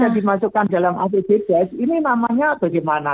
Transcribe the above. kalau tidak dimasukkan ke dalam apbdes ini namanya bagaimana